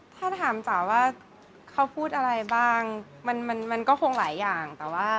ถ้าถามจ๋าว่าเขาพูดอะไรบ้างคงมีหลายอย่าง